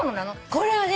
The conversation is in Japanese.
これはね